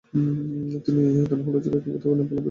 তিনি তানাহুন রাজ্যকে একীভূত নেপালে নেতৃত্ব ও অধিভুক্ত করেছিলেন।